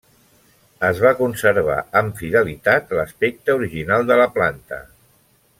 Es va conservar amb fidelitat l'aspecte original de la planta.